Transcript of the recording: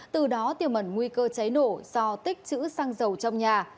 từ đó tiềm mẩn nguy cơ cháy nổ do tích chữ xăng dầu trong nhà